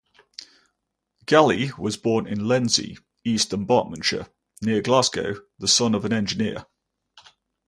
Gallie was born in Lenzie, East Dunbartonshire, near Glasgow, the son of an engineer.